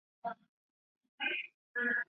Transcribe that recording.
该物种的模式产地在马德拉群岛。